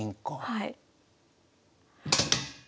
はい。